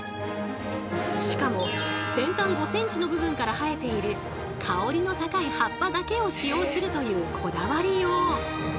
しかも先端５センチの部分から生えている香りの高い葉っぱだけを使用するというこだわりよう。